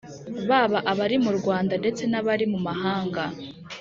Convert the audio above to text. baba abari mu rwanda ndetse n’abari muri mu mahanga